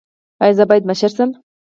ایا زه باید مشر شم؟